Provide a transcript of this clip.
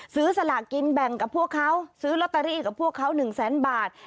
สลากินแบ่งกับพวกเขาซื้อลอตเตอรี่กับพวกเขา๑แสนบาท